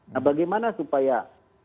nah bagaimana supaya waspadaan atau disimpan